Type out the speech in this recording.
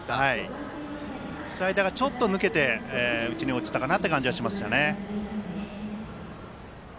スライダーがちょっと抜けて内に落ちたかなという感じがします。